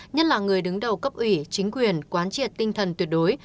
nhất là người đứng đầu cấp ủy chính quyền quán triệt tinh thần tuyệt đối